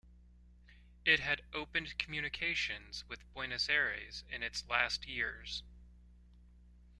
It had opened communications with Buenos Aires in its last years.